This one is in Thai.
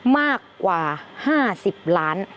มากกว่า๕๐ล้าน